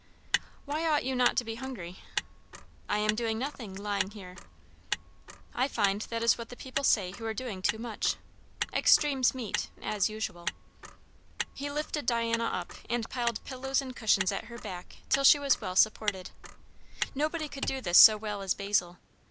"Why ought you not to be hungry?" "I am doing nothing, lying here." "I find that is what the people say who are doing too much. Extremes meet, as usual." He lifted Diana up, and piled pillows and cushions at her back till she was well supported. Nobody could do this so well as Basil.